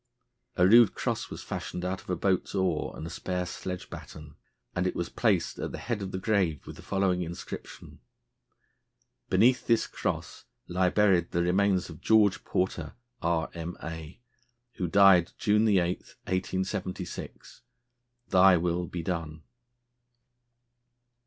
A rude cross was fashioned out of a boat's oar and a spare sledge batten, and it was placed at the head of the grave with the following inscription: "Beneath this cross lie buried the remains of GEORGE PORTER, R.M.A., who died June 8, 1876. 'Thy will be done!'"